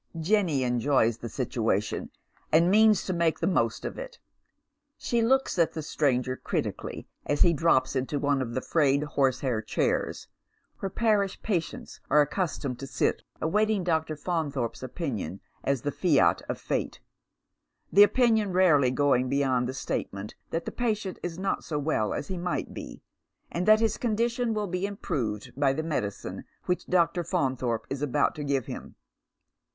Jenny enjoys the situation, and means to make the most of it. She looks at the stranger critically, as he drops into one of the frayed horsehair chairs, where parish patients are accustomed to sit awaiting Dr. Faunthorpe's opinion as the fiat of fate — the opinion rarely going beyond the statement that the patient is not 80 well as he might be, and that his condition will be improved by the medicine which Dr. Faimthorpe is about to give him.